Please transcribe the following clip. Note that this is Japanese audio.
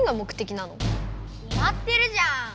きまってるじゃん！